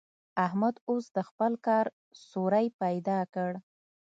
احمد اوس د خپل کار سوری پيدا کړ.